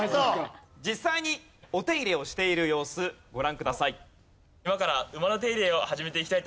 実際にお手入れをしている様子ご覧ください。